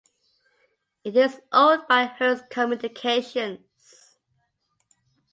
It is owned by Hearst Communications.